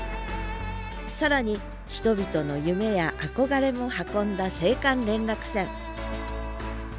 更に人々の夢や憧れも運んだ青函連絡船